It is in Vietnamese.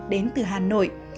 đến từ hà nội